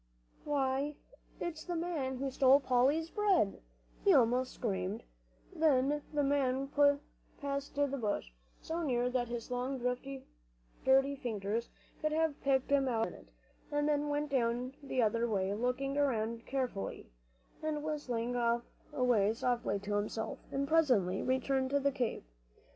"Why, it's the man who stole Polly's bread!" he almost screamed. The man went past the bush, so near that his long dirty fingers could have picked him out in a minute, and then went down the other way, looking around carefully, and whistling away softly to himself, and presently returned to the cave.